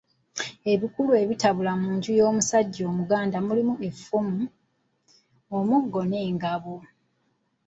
Ebikulu ebitabula mu nju y’omusajja Omuganda mulimu Effumu, omuggo n’engabo.